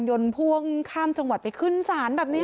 พ่วงข้ามจังหวัดไปขึ้นศาลแบบนี้